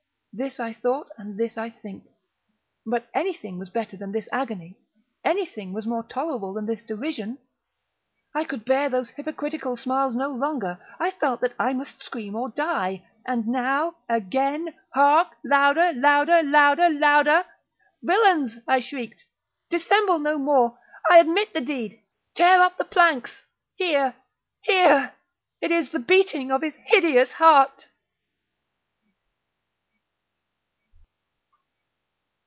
—this I thought, and this I think. But anything was better than this agony! Anything was more tolerable than this derision! I could bear those hypocritical smiles no longer! I felt that I must scream or die! and now—again!—hark! louder! louder! louder! louder! "Villains!" I shrieked, "dissemble no more! I admit the deed!—tear up the planks!—here, here!—It is the beating of his hideous heart!"